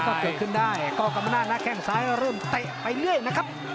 นอกกว่ากลรรมนาแข่งสายเริ่มเตะไปเรื่อยนะครับ